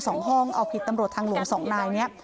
สองห้องเอาผิดตำรวจทางหลวงสองนายเนี้ย